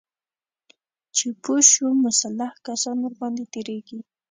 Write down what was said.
چې پوه شو مسلح کسان ورباندې تیریږي